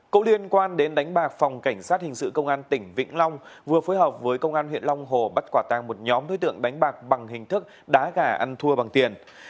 cũng liên quan đến đánh bạc phòng cảnh sát hình sự công an tỉnh vĩnh long vừa phối hợp với công an huyện long hồ bắt quả tàng một nhóm đối tượng đánh bạc bằng hình thức đá gà ăn thua bằng tiền